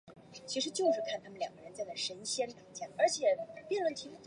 印度薹草为莎草科薹草属的植物。